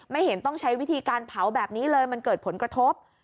เห็นต้องใช้วิธีการเผาแบบนี้เลยมันเกิดผลกระทบ